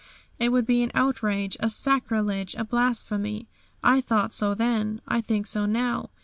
It would be an outrage, a sacrilege, a blasphemy. I thought so then; I think so now.